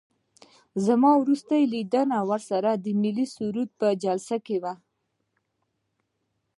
زما وروستی لیدل ورسره د ملي سرود په جلسه کې وو.